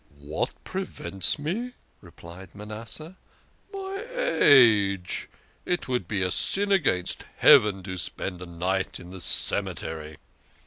"What prevents me?" replied Manasseh. " My age. It would be a sin against heaven to spend a night in the cemetery.